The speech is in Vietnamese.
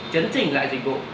chạy tốc độ rất chậm